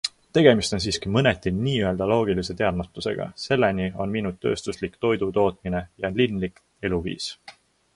Tegemist on siiski mõneti n-ö loogilise teadmatusega - selleni on viinud tööstuslik toidutootmine ja linlik eluviis.